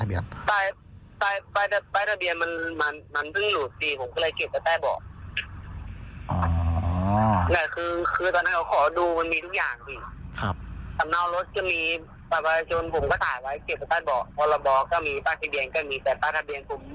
ผมพึ่งถอดไปแล้วเก็บไว้ใต้บ่อ